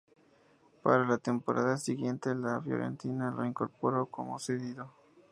Para la temporada siguiente, la Fiorentina lo incorporó como cedido.